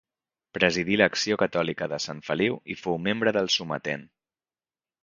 Presidí l'Acció Catòlica de Sant Feliu i fou membre del Sometent.